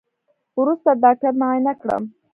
وروسته ډاکتر معاينه کړم.